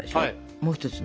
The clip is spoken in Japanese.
もう一つの。